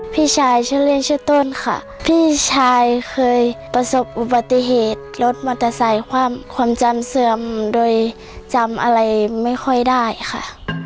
พี่ชายชื่อเล่นชื่อต้นค่ะพี่ชายเคยประสบอุบัติเหตุรถมอเตอร์ไซค์ความความจำเสื่อมโดยจำอะไรไม่ค่อยได้ค่ะ